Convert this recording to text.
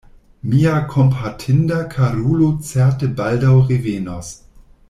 Mia kompatinda karulo certe baldaŭ revenos.